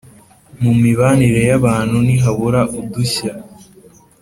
mu mibanire y’abantu ntihabura udushya